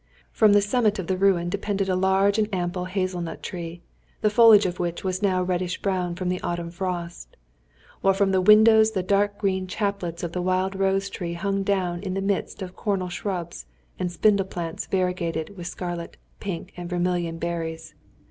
From the summit of the ruin depended a large and ample hazel nut tree, the foliage of which was now a reddish brown from the autumn frost, while from the windows the dark green chaplets of the wild rose tree hung down in the midst of cornel shrubs and spindle plants variegated with scarlet, pink, and vermilion berries.